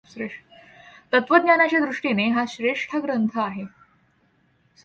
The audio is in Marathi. तत्त्वज्ञानाच्या दृष्टीने हा श्रेष्ठ ग्रंथ आहे.